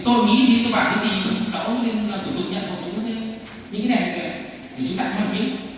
thế thì tôi bảo tôi chỉ cho làm trước tại sao thì không phải yêu được tôi